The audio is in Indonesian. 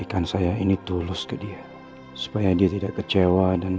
karena ini adalah keajuan yang sangat penting